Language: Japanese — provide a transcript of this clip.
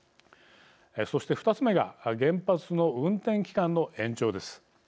そして、２つ目が原発の運転期間の延長です。